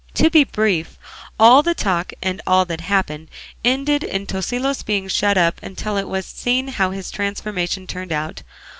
To be brief, all the talk and all that had happened ended in Tosilos being shut up until it was seen how his transformation turned out.